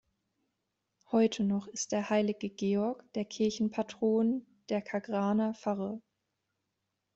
Heute noch ist der heilige Georg der Kirchenpatron der Kagraner Pfarre.